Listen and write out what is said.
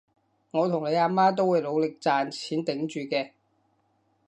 我同你阿媽都會努力賺錢頂住嘅